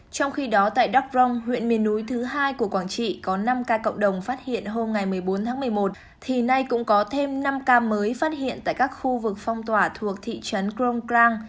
trong khi đó tại đắk rông huyện miền núi thứ hai của quảng trị có năm ca cộng đồng phát hiện hôm ngày một mươi bốn tháng một mươi một thì nay cũng có thêm năm ca mới phát hiện tại các khu vực phong tỏa thuộc thị trấn crong plang